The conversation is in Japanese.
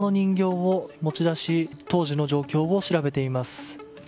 捜査員が子供の人形を持ち出し当時の状況を調べています。